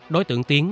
đối tượng tiến